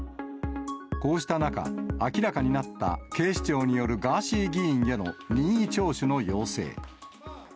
こうした中、明らかになった警視庁によるガーシー議員への任意聴取の要請。